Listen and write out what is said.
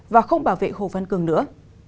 và không bảo vệ hồ văn cường nữa